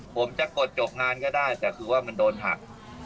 ผมจะกดจบงานก็ได้แต่คือว่ามันโดนหัก